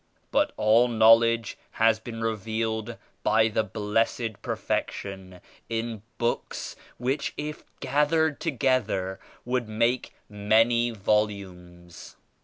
But all knowl edge has been revealed by the Blessed Perfec tion in books which if gathered together would make many volumes.